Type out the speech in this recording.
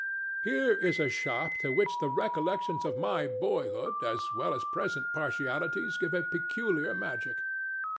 Here is a shop to which the recollections of my boyhood as well as present partialities give a peculiar magic.